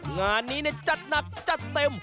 งานนี้จัดหนักจัดเต็ม